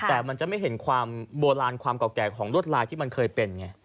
แต่มันจะไม่เห็นความโบราณความเก่าแก่ของรวดลายที่มันเคยเป็นไง